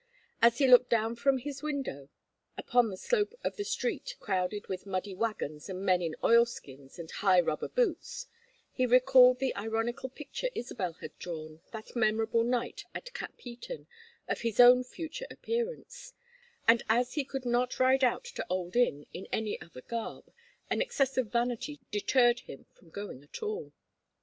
As he looked down from his window upon the slope of the street crowded with muddy wagons and men in oil skins and high rubber boots, he recalled the ironical picture Isabel had drawn, that memorable night at Capheaton, of his own future appearance; and as he could not ride out to Old Inn in any other garb, an excess of vanity deterred him from going at all.